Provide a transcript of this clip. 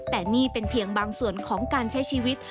แต่นี่เป็นเพียงบางส่วนของการใช้ชีวิต